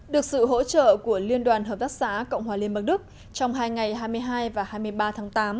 được sự hỗ trợ của liên đoàn hợp tác xã cộng hòa liên bang đức trong hai ngày hai mươi hai và hai mươi ba tháng tám